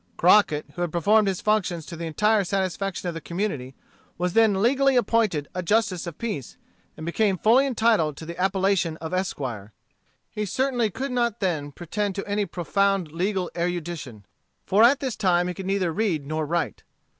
Crockett, who had performed his functions to the entire satisfaction of the community, then was legally appointed a justice of peace, and became fully entitled to the appellation of esquire. He certainly could not then pretend to any profound legal erudition, for at this time he could neither read nor write.